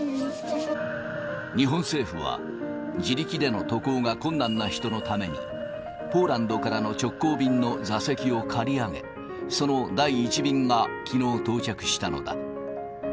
日本政府は自力での渡航が困難な人のために、ポーランドからの直行便の座席を借り上げ、その第１便がきのう到着したのだ。